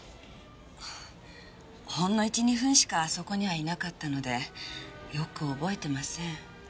ほんの１２分しかあそこにはいなかったのでよく覚えてません。